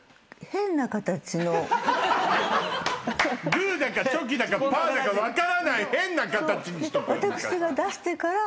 グーだかチョキだかパーだか分からない変な形にしとく美香さん。